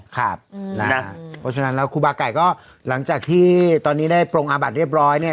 เพราะฉะนั้นแล้วครูบาไก่ก็หลังจากที่ตอนนี้ได้ปรงอาบัติเรียบร้อยเนี่ย